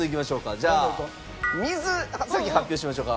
じゃあ水先発表しましょうか。